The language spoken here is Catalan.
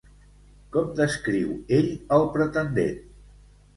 Com descriu ell al pretendent?